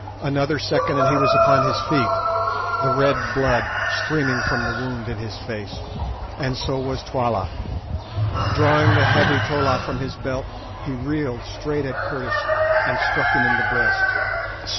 Another second and he was upon his feet, the red blood streaming from the wound in his face, and so was Twala. Drawing the heavy tolla from his belt, he reeled straight at Curtis and struck him in the breast.